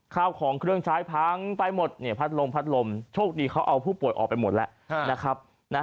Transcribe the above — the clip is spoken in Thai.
ข้าวของเครื่องใช้พังไปหมดพัดลมพัดลมโชคดีเขาเอาผู้ป่วยออกไปหมดแล้วนะครับ